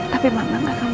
tapi mama gak akan paham